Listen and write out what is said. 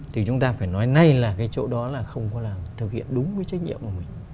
thì chúng ta phải nói nay là cái chỗ đó là không có làm thực hiện đúng cái trách nhiệm của mình